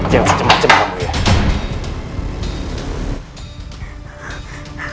jangan cemburu cemburu ya